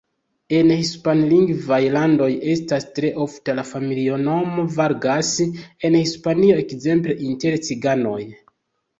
En hispanlingvaj landoj estas tre ofta la familinomo Vargas, en Hispanio ekzemple inter ciganoj.